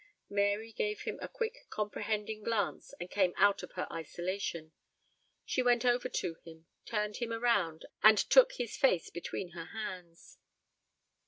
Mary gave him a quick comprehending glance, and came out of her isolation. She went over to him, turned him around, and took his face between her hands.